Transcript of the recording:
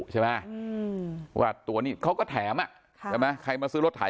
ใช่ไหมว่าตัวนี้เขาก็แถมใช่ไหมใครมาซื้อรถไถ